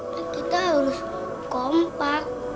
kita harus kompak